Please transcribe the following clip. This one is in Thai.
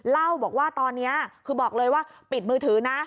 เล่าบอกว่าตอนนี้คือบอกเลยว่าปิดมือถือนะ